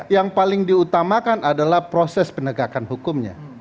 yang paling diutamakan adalah proses penegakan hukumnya